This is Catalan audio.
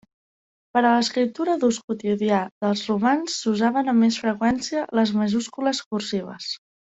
Per a l'escriptura d'ús quotidià dels romans s'usaven amb més freqüència les majúscules cursives.